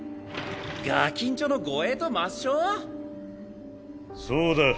ガキんちょの護衛と抹消⁉そうだ。